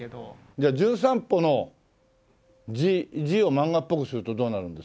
じゃあ『じゅん散歩』の字を漫画っぽくするとどうなるんですか？